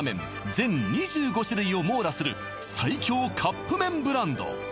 全２５種類を網羅する最強カップ麺ブランド